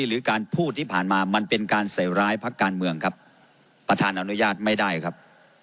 หรือการพูดที่ผ่านมามันเป็นการใส่ร้ายพักการเมืองครับประธานอนุญาตไม่ได้ครับ